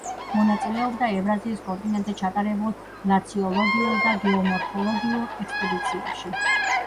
მონაწილეობდა ევრაზიის კონტინენტზე ჩატარებულ გლაციოლოგიურ და გეომორფოლოგიურ ექსპედიციებში.